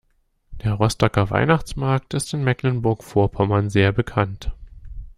Der Rostocker Weihnachtsmarkt ist in Mecklenburg-Vorpommern sehr bekannt.